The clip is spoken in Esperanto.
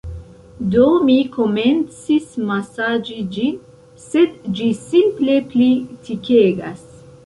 Do, mi komencis masaĝi ĝin sed ĝi simple pli tikegas